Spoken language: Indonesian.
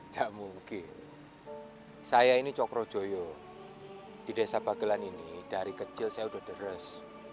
tidak mungkin saya ini cokrojoyo di desa bagelan ini dari kecil saya sudah deres